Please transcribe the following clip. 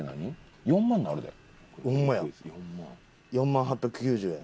４万８９０円。